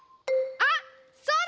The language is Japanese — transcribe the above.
あっそうだ！